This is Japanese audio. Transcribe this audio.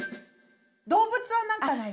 動物は何かない？